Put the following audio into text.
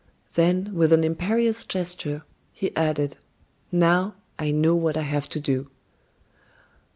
Then with an imperious gesture, he added: "Now, I know what I have to do."